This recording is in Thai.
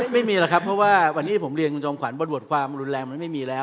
ไม่มีหรอกครับเพราะว่าวันนี้ผมเรียนคุณจอมขวัญบนบทความรุนแรงมันไม่มีแล้ว